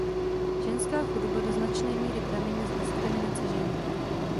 Ženská chudoba do značné míry pramení z diskriminace žen.